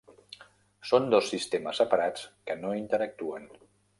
Són dos sistemes separats que no interactuen.